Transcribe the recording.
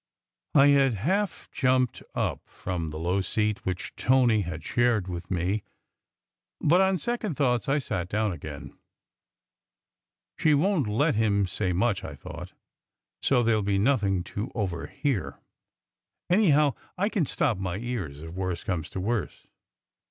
I had half jumped up from the low seat which Tony had shared with me; but on second thoughts I sat down again. "She won t let him say much," I thought, "so there ll be nothing to overhear. Anyhow, I can stop my ears, if worst comes to worst."